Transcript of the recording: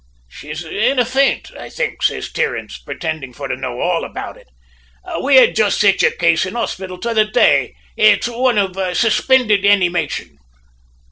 "`She's in a faint, I think,' says Terence, pretendin' for to know all about it. `We had jist sich a case in hospital t'other day. It's oine of suspended animation.'